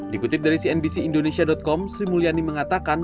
dikutip dari cnbc indonesia com sri mulyani mengatakan